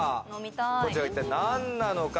こちらは一体何なのか？